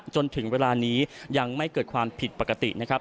จนถึงเวลานี้ยังไม่เกิดความผิดปกตินะครับ